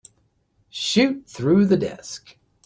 Shoot through the desk.